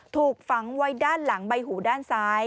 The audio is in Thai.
ถูกฝังไว้ด้านหลังใบหูด้านซ้าย